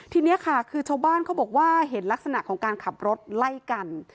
ทีนี้ค่ะคือชาวบ้านเขาบอกว่าเห็นลักษณะของการขับรถไล่กัน